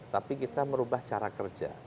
tapi kita merubah cara kerja